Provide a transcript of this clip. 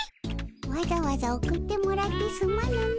わざわざ送ってもらってすまぬの。